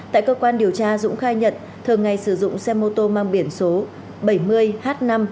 tại cơ quan điều tra dũng khai nhận thường ngày sử dụng xe mô tô mang biển số bảy mươi h năm mươi hai nghìn bốn trăm một mươi bốn